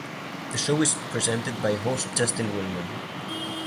The show is presented by host Justin Willman.